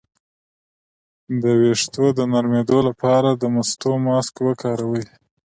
د ویښتو د نرمیدو لپاره د مستو ماسک وکاروئ